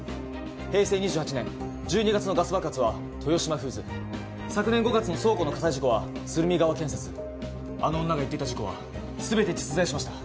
平成２８年１２月のガス爆発は豊島フーズ昨年５月の倉庫の火災事故は鶴見川建設あの女が言ってた事故は全て実在しました